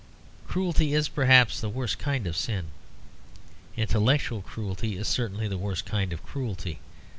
Cruelty is, perhaps, the worst kind of sin. Intellectual cruelty is certainly the worst kind of cruelty.